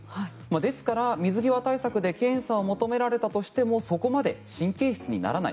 ですから、水際対策で検査を求められたとしてもそこまで神経質にならない。